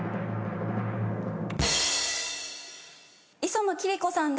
磯野貴理子さんです。